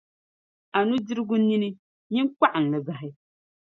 a nudirigu nini; nyin kpɔɣim li bahi.